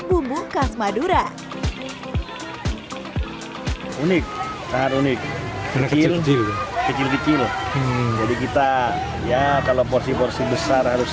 bumbu khas madura unik sangat unik kecil kecil jadi kita ya kalau porsi porsi besar harus